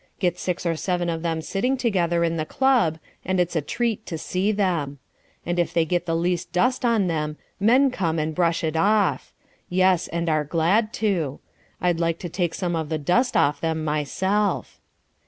Get six or seven of them sitting together in the club and it's a treat to see them. And if they get the least dust on them, men come and brush it off. Yes, and are glad to. I'd like to take some of the dust off them myself.